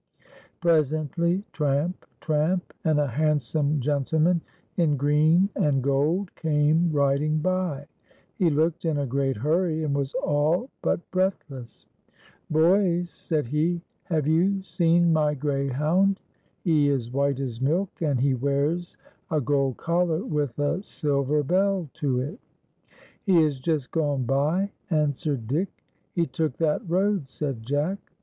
Presently tramp, tramp, and a handsome gentleman in green and gold came riding b\ . He looked in a great hurry, and was all but breathless. " Boys," said he, " have you seen my greyhound ? He is white as milk, and he wears a gold collar with a silver bell to it." " He has just gone by," answered Dick. " He took that road," said Jack.